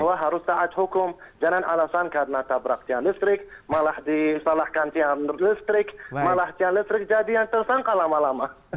bahwa harus taat hukum jangan alasan karena tabrak tiang listrik malah disalahkan tiang listrik malah tiang listrik jadi yang tersangka lama lama